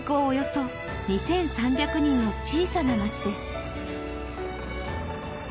およそ２３００人の小さな町です